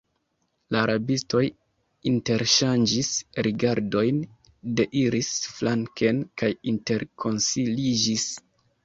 La rabistoj interŝanĝis rigardojn, deiris flanken kaj interkonsiliĝis.